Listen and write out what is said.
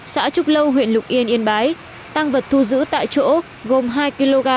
xã trúc lâu huyện lục yên yên bái tăng vật thu giữ tại chỗ gồm hai kg